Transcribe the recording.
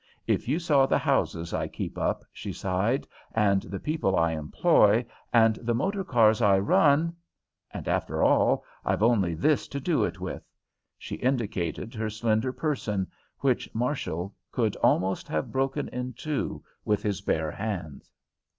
"If you saw the houses I keep up," she sighed, "and the people I employ, and the motor cars I run And, after all, I've only this to do it with." She indicated her slender person, which Marshall could almost have broken in two with his bare hands.